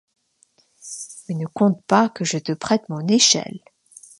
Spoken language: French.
Mais ne compte pas que je te prête mon échelle.